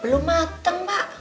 belum mateng pak